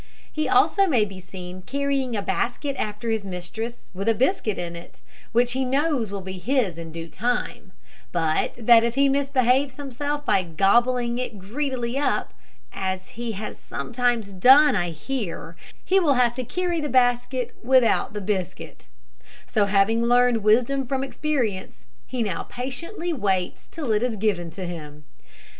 He also may be seen carrying a basket after his mistress, with a biscuit in it, which he knows will be his in due time; but that if he misbehaves himself by gobbling it greedily up as he has sometimes done, I hear he will have to carry the basket without the biscuit; so having learned wisdom from experience, he now patiently waits till it is given to him.